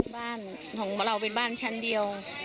บ้านของเราเป็นบ้านชั้นเดียว